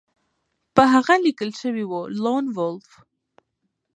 په هغه لیکل شوي وو لون وولف